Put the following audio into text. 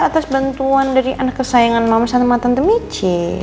atas bantuan dari anak kesayangan mama sama tante mici